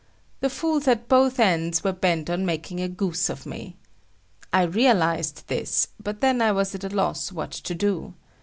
The fools at both ends were bent on making a goose of me. I realized this, but then I was at a loss what to do.